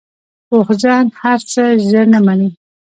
پوخ ذهن هر څه ژر نه منې